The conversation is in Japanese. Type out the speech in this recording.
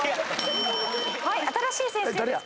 はい新しい先生です。